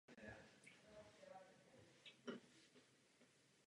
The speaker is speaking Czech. Rezá Šáh Pahlaví.